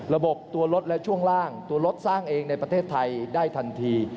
ระบบตัวรถและช่วงล่างตัวรถสร้างเองในประเทศไทยได้ทันที